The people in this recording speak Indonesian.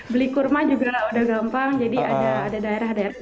beli kurma juga udah gampang jadi ada daerah daerah